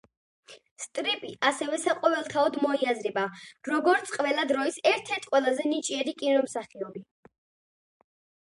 სტრიპი ასევე საყოველთაოდ მოიაზრება როგორც ყველა დროის ერთ-ერთი ყველაზე ნიჭიერი კინომსახიობი.